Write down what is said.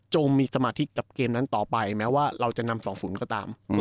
โจมมีสมาธิกกับเกมนั้นต่อไปแม้ว่าเราจะนำสองศูนย์ก็ตามอืม